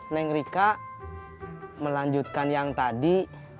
neng rika melanjutkan yang tadi